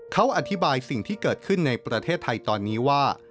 เขาอธิบายสิ่งที่เกิดขึ้นในประเทศไทยตอนนี้ว่า